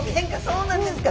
そうなんですか。